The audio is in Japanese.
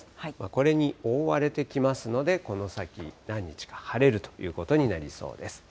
これに覆われてきますので、この先、何日か晴れるということになりそうです。